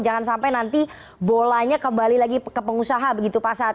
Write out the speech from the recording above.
jangan sampai nanti bolanya kembali lagi ke pengusaha begitu pak sad